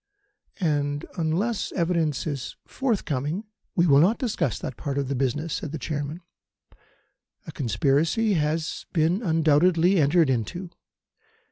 And unless evidence is forthcoming " "We will not discuss that part of the business," said the Chairman. "A conspiracy has been undoubtedly entered into.